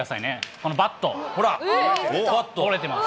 このバット、ほら、折れてます。